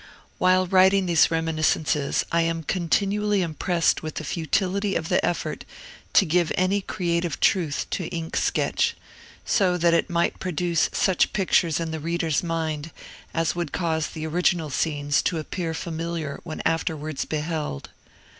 While writing these reminiscences, I am continually impressed with the futility of the effort to give any creative truth to ink sketch, so that it might produce such pictures in the reader's mind as would cause the original scenes to appear familiar when afterwards beheld.